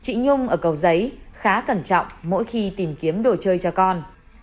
chị nhung ở cầu giấy khá cẩn trọng mỗi khi tìm kiếm đồ chơi cho con